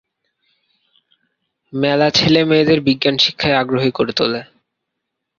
মেলা ছেলে মেয়েদের বিজ্ঞান শিক্ষায় আগ্রহী করে তোলে।